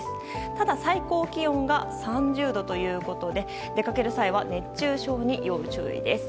ただ、最高気温が３０度ということで出かける際は熱中症に要注意です。